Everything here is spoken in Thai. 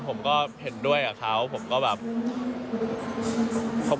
ผมก็เห็นด้วยกับเขาผมก็แบบ